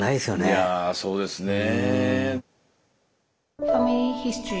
いやぁそうですね。